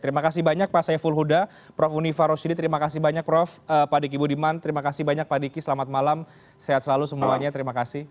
terima kasih banyak pak saiful huda prof unifa roshidi terima kasih banyak prof pak diki budiman terima kasih banyak pak diki selamat malam sehat selalu semuanya terima kasih